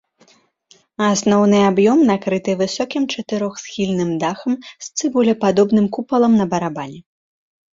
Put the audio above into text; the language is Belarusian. Асноўны аб'ём накрыты высокім чатырохсхільным дахам з цыбулепадобным купалам на барабане.